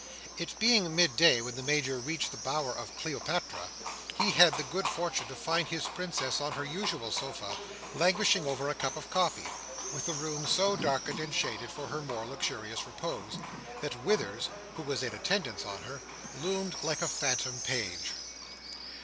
It being midday when the Major reached the bower of Cleopatra, he had the good fortune to find his Princess on her usual sofa, languishing over a cup of coffee, with the room so darkened and shaded for her more luxurious repose, that Withers, who was in attendance on her, loomed like a phantom page.